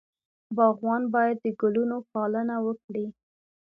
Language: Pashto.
باغوان باید د ګلونو پالنه وکړي.